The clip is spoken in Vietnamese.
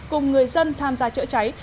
cùng người dân tham gia chữa cháy